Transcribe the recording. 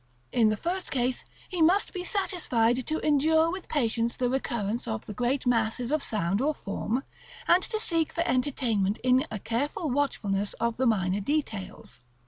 In the first case, he must be satisfied to endure with patience the recurrence of the great masses of sound or form, and to seek for entertainment in a careful watchfulness of the minor details.